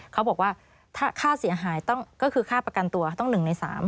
เขาบอกว่าถ้าค่าเสียหายก็คือค่าประกันตัวต้อง๑ใน๓